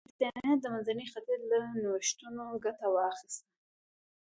برېټانیا د منځني ختیځ له نوښتونو ګټه واخیسته.